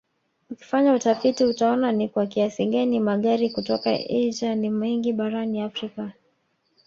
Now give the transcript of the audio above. Ukifanya utafiti utaona ni kwa kiasi gani magari kutoka Asia ni mengi barani Afrika